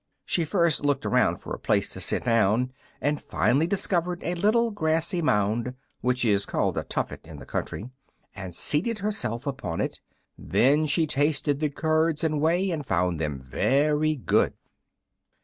She first looked around for a place to sit down, and finally discovered a little grassy mound, which is called a tuffet in the country, and seated herself upon it. Then she tasted the curds and whey and found them very good.